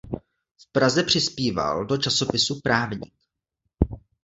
V Praze přispíval do časopisu "Právník".